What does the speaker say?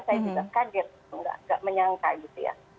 saya juga kaget nggak menyangka gitu ya